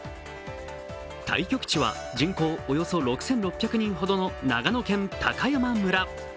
対局地は人口およそ６６００人近くの長野県高山村。